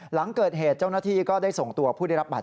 หลังเกิดเหตุเจ้าหน้าที่ก็ได้ส่งตัวผู้ได้รับบัต